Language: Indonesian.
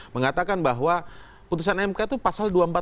mengatakan bahwa putusan mk itu pasal dua ratus empat puluh